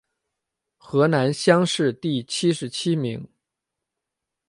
河南乡试第七十七名。